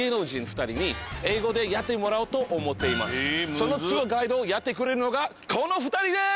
そのツアーガイドをやってくれるのがこの２人です！